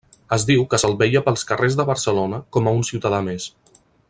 Es diu que se'l veia pels carrers de Barcelona com a un ciutadà més.